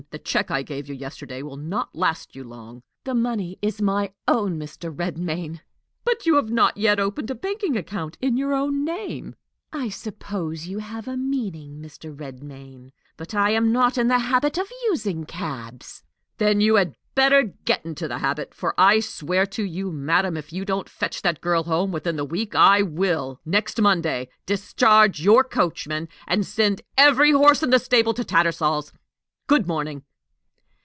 The check I gave you yesterday will not last you long." "The money is my own, Mr. Redmain." "But you have not yet opened a banking account in your own name." "I suppose you have a meaning, Mr. Redmain; but I am not in the habit of using cabs." "Then you had better get into the habit; for I swear to you, madam, if you don't fetch that girl home within the week, I will, next Monday, discharge your coachman, and send every horse in the stable to Tattersall's! Good morning."